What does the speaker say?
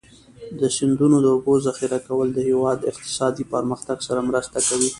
د سیندونو د اوبو ذخیره کول د هېواد اقتصادي پرمختګ سره مرسته کوي.